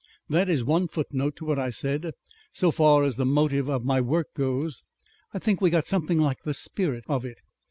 "That is one footnote to what I said. So far as the motive of my work goes, I think we got something like the spirit of it.